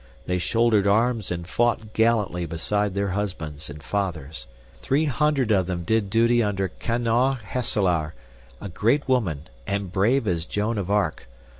They shouldered arms and fought gallantly beside their husbands and fathers. Three hundred of them did duty under Kanau Hesselaer, a great woman, and brave as Joan of Arc.